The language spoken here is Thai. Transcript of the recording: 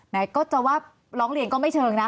ไหนก็จะว่าร้องเรียนก็ไม่เชิงนะ